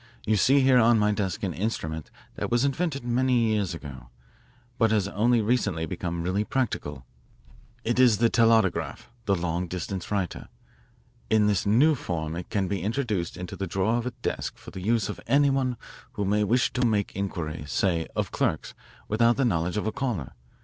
You see here on the desk an instrument that was invented many years ago, but has only recently become really practical. It is the telautograph the long distance writer. In this new form it can be introduced into the drawer of a desk for the use of any one who may wish to make inquiries, say, of clerks without the knowledge of a caller.